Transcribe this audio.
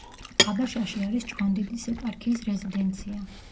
აბაშაში არის ჭყონდიდის ეპარქიის რეზიდენცია.